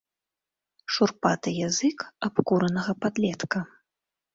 Шурпаты язык абкуранага падлетка.